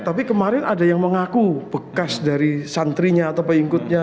tapi kemarin ada yang mengaku bekas dari santrinya atau pengikutnya